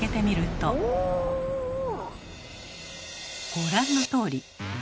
ご覧のとおり。